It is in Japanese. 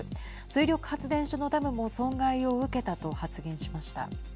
水力発電所のダムも損害を受けたと発言しました。